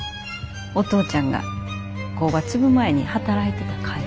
お父ちゃんが工場継ぐ前に働いてた会社。